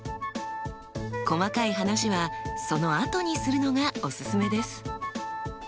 細かい話はそのあとにするのがおすすめです。